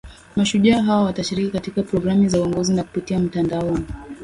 mashujaa hao watashiriki katika programu ya uongozi ya kupitia mtandaoni